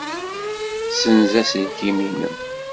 Ssenz aselkim-nnem.